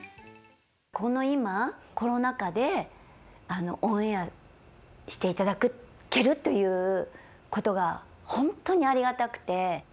この今コロナ禍でオンエアしていただけるということが本当にありがたくて。